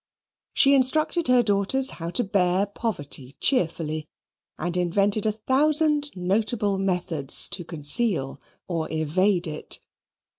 She instructed her daughters how to bear poverty cheerfully, and invented a thousand notable methods to conceal or evade it.